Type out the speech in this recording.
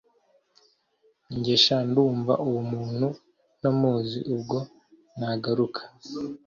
Njye sha ndumva uwo muntu ntamuzi ubwo nagaruka